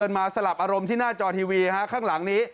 มาสลับอารมณ์ที่หน้าจอทีวีข้างหลังนี้